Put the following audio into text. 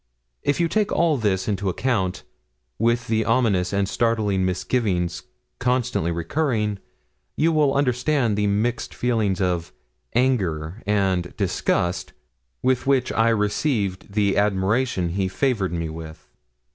If you take all this into account, with the ominous and startling misgivings constantly recurring, you will understand the mixed feelings of anger and disgust with which I received the admiration he favoured me with.